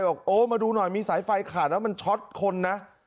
บอกโอ้มาดูหน่อยมีสายไฟขาดแล้วมันช็อตคนนะ